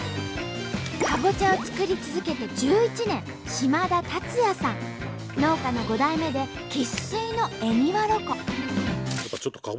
かぼちゃを作り続けて１１年農家の５代目で生っ粋の恵庭ロコ。